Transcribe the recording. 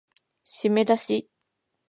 しめだし